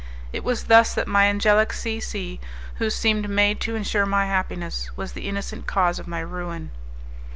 It was thus that my angelic C C , who seemed made to insure my happiness, was the innocent cause of my ruin.